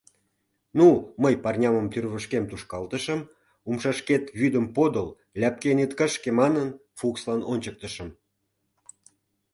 Ну, мый парнямым тӱрвышкем тушкалтышым, умшашкет вӱдым подыл, ляпкен ит кышке манын, Фукслан ончыктышым.